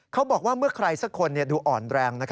เขาบอกว่าเมื่อใครสักคนดูอ่อนแรง